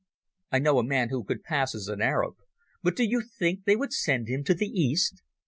I know a man who could pass as an Arab, but do you think they would send him to the East?